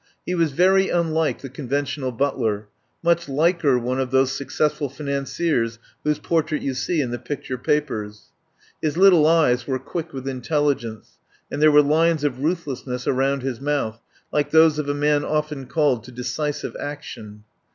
He was very unlike the conventional butler, much liker one of those successful financiers whose portraits you see in the picture papers. His little eyes were quick with intelligence, and there were lines of ruthlessness around his mouth, like those of a man often called to de cisive action.